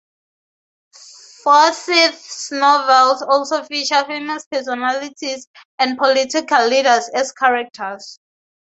Forsyth's novels also feature famous personalities and political leaders as characters.